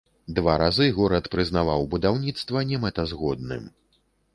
Два разы горад прызнаваў будаўніцтва немэтазгодным.